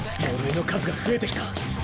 呪いの数が増えてきた。